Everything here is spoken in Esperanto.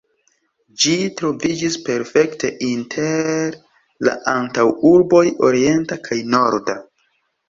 Ĝi troviĝis perfekte inter la antaŭurboj orienta kaj norda.